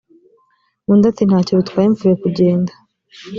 undi ati nta cyo bitwaye mpfuye kugenda